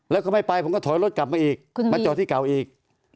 แล้วก็ไม่ไปผมก็ถอยรถกลับมาอีกมาจอดที่เก่าอีก